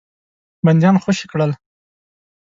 بندیان خوشي کړل.